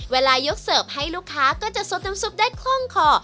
เวลายกเสิร์ฟให้ลูกค้าก็จะซดน้ำซุปได้คล่องคอ